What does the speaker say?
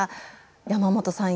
山本さん